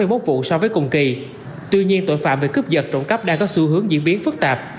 giảm hai trăm tám mươi một vụ so với cùng kỳ tuy nhiên tội phạm về cướp vật trộn cắp đang có xu hướng diễn biến phức tạp